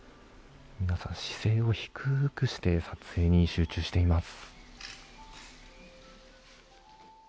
皆さん姿勢を低くして撮影に集中しています。